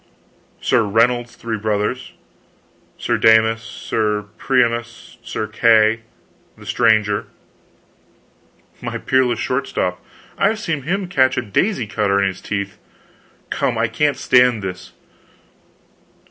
" Sir Reynold's three brothers, Sir Damus, Sir Priamus, Sir Kay the Stranger " "My peerless short stop! I've seen him catch a daisy cutter in his teeth. Come, I can't stand this!"